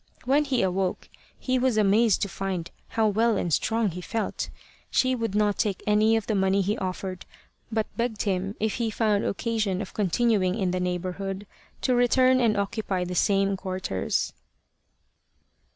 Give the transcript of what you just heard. When he awoke he was amazed to find how well and strong he felt. She would not take any of the money he offered, but begged him, if he found occasion of continuing in the neighbourhood, to return and occupy the same quarters.